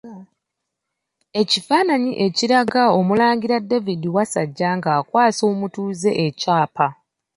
Ekifaananyi ekiraga Omulangira David Wasajja nga akwasa omutuuze ekyapa.